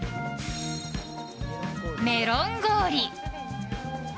メロン氷。